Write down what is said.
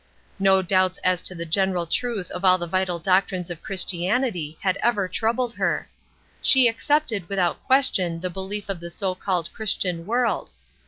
No doubts as to the general truth of all the vital doctrines of Christianity had ever troubled her. She accepted without question the belief of the so called Christian World.